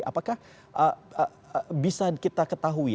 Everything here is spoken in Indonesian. apakah bisa kita ketahui